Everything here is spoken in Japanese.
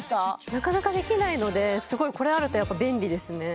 なかなかできないのでこれあるとやっぱ便利ですね